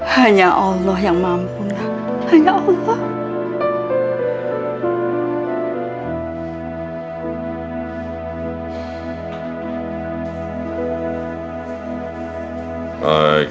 hanya allah yang mampu nak